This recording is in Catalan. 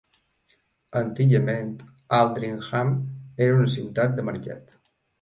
Antigament Aldringham era una ciutat de mercat.